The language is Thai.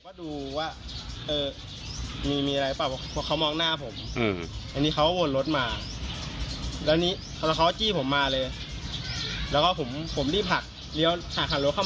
เข้ามาช่วยเหลือเอาไว้ทันท่วงทีด้วยครับ